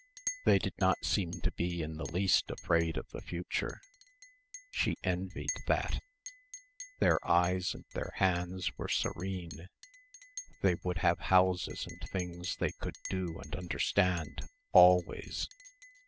They did not seem to be in the least afraid of the future. She envied that. Their eyes and their hands were serene.... They would have houses and things they could do and understand, always....